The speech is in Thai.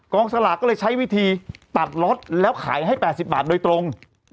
สลากก็เลยใช้วิธีตัดล็อตแล้วขายให้๘๐บาทโดยตรง